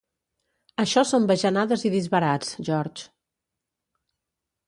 Això són bajanades i disbarats, George.